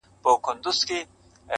• زه پوهېږم نیت دي کړی د داړلو -